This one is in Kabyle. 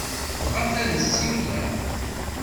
Tebɣamt ad as-ssiwleɣ?